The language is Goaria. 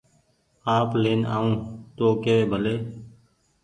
آپ لين آيو تو ڪيوي ڀلي